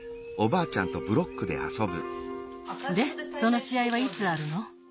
でそのしあいはいつあるの？